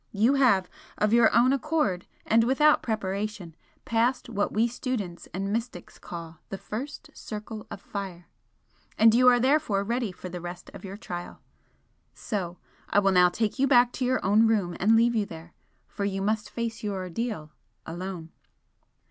You have, of your own accord, and without preparation, passed what we students and mystics call 'the first circle of fire,' and you are therefore ready for the rest of your trial. So I will now take you back to your own room and leave you there, for you must face your ordeal alone."